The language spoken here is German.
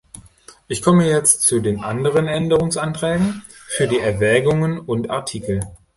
Ich komme jetzt zu den anderen Änderungsanträgen für die Erwägungen und Artikel.